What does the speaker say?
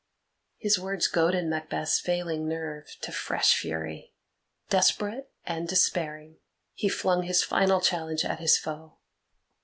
'" His words goaded Macbeth's failing nerve to fresh fury. Desperate and despairing, he flung his final challenge at his foe.